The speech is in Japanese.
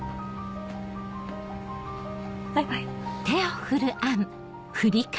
バイバイ。